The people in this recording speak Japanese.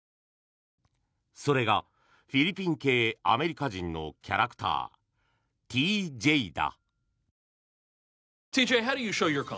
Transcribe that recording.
それがフィリピン系アメリカ人のキャラクター、ＴＪだ。